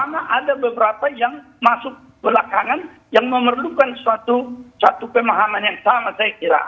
karena terutama ada beberapa yang masuk belakangan yang memerlukan suatu pemahaman yang sama saya kira